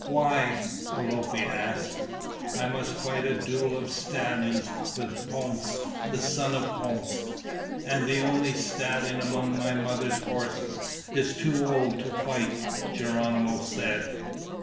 "Why?" Alope asked. "I must fight a duel of stallions with Ponce, the son of Ponce, and the only stallion among my mother's horses is too old to fight," Geronimo said.